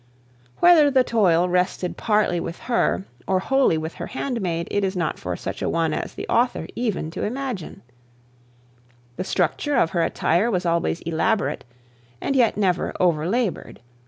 Whether the toil rested partly with her, or wholly with her handmaid, it is not for such a one as the author to imagine. The structure of her attire was always elaborate, and yet never over laboured.